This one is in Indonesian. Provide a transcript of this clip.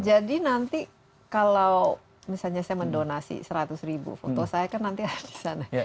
jadi nanti kalau misalnya saya mendonasi seratus ribu foto saya kan nanti habis sana